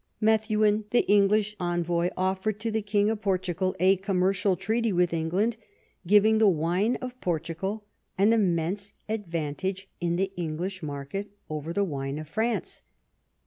Methuen, the English envoy, offered to the King of Portugal a commercial treaty with England, giving the wine of Portugal an immense advantage in the English market over the wine of France.